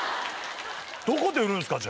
どこで売るんすか？